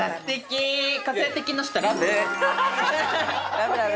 ラブラブ。